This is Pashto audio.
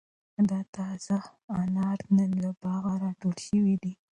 دا تازه انار نن له باغه را ټول شوي دي.